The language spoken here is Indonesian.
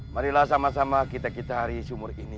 marilah sama sama kita gitar di sumur ini